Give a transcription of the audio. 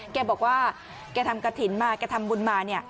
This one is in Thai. แกบอกว่าแกทำกระถิ่นมาแกทำบุญมาเนี่ย